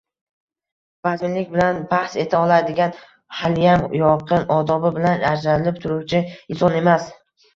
vazminlik bilan bahs eta oladigan, haliym, yorqin odobi bilan ajralib turuvchi inson emas